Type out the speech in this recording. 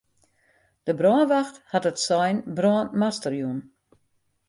De brânwacht hat it sein brân master jûn.